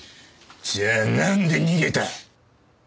じゃあなんで逃げた？